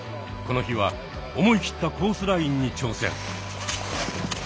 この日は思い切ったコースラインに挑戦。